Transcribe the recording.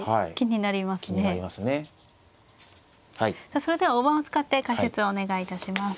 さあそれでは大盤を使って解説お願いいたします。